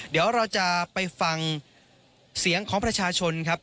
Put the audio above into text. เดี๋ยวเราจะไปฟังเสียงของประชาชนครับ